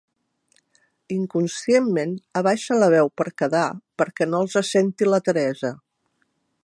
Inconscientment abaixen la veu per quedar, perquè no els senti la Teresa.